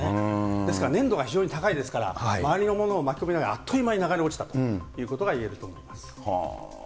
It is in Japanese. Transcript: ですから粘度が非常に高いですから、周りのものを巻き込みながら、あっという間に流れ落ちたということがいえると思います。